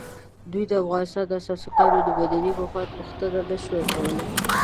دوی د افغانستان د اساسي قانون د مدني مفاد پوښتنه نه شوای کولای.